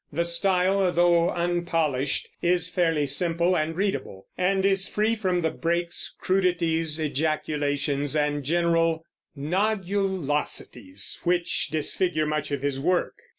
The style, though unpolished, is fairly simple and readable, and is free from the breaks, crudities, ejaculations, and general "nodulosities" which disfigure much of his work.